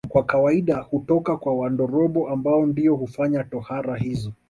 Kwa kawaida hutoka kwa Wandorobo ambao ndio hufanya tohara hizo